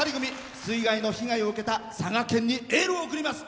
水害の被害を受けた佐賀県にエールを送ります。